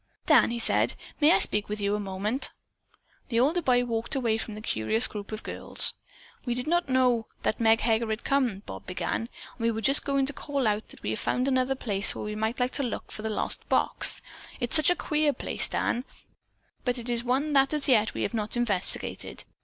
"Dan," he said, "may I speak with you a moment?" The older boy walked away from the curious group of girls. "We did not know that Meg Heger had come," Bob began, "and we were just going to call out that we had found another place where we would like to look for the lost box. It's such a queer place, Dan, but it is one that as yet we have not investigated.